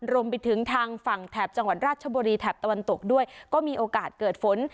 รวมไปถึงทางฝั่งแถบจังหวัดราชบุรีแถบตะวันตกด้วยก็มีโอกาสเกิดฝน